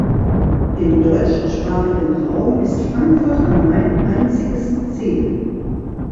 Im deutschsprachigen Raum ist Frankfurt am Main einziges Ziel.